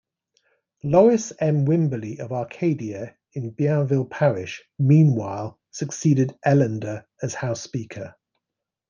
Lorris M. Wimberly of Arcadia in Bienville Parish, meanwhile, succeeded Ellender as House Speaker.